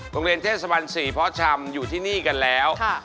ตรงเรนเทศบรรย์๔พสมอยู่ที่นี่กันแล้ว